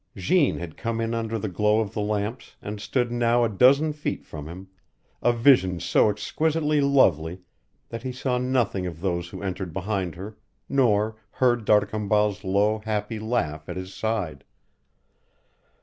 Jeanne had come in under the glow of the lamps and stood now a dozen feet from him, a vision so exquisitely lovely that he saw nothing of those who entered behind her, nor heard D'Arcambal's low, happy laugh at his side.